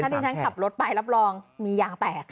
ที่ฉันขับรถไปรับรองมียางแตก